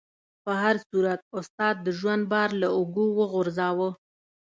په هر صورت استاد د ژوند بار له اوږو وغورځاوه.